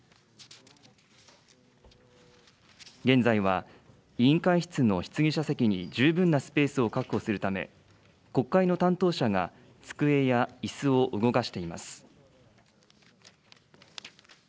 現在は委員会室の質疑者席に十分なスペースを確保するため、国会の担当者が机やいすを動かしています。